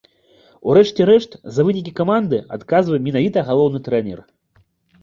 У рэшце рэшт, за вынікі каманды адказвае менавіта галоўны трэнер.